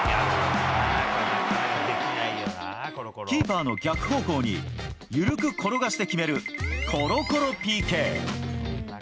キーパーの逆方向に緩く転がして決める、コロコロＰＫ。